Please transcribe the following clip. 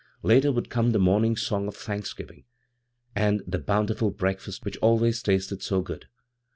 Later would come the morning song of thanksgiving, and the bountiful breakfast which always tasted so good.